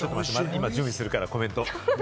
今、準備するから、コメント。